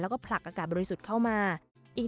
และการบริการผู้โดยสาร๑๒๗๕ราย